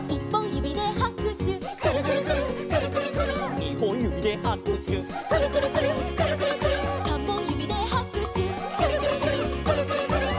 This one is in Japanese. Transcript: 「にほんゆびではくしゅ」「くるくるくるっくるくるくるっ」「さんぼんゆびではくしゅ」「くるくるくるっくるくるくるっ」